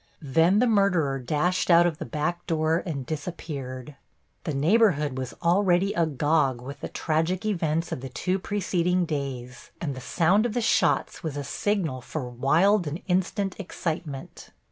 Then the murderer dashed out of the back door and disappeared. The neighborhood was already agog with the tragic events of the two preceding days, and the sound of the shots was a signal for wild and instant excitement.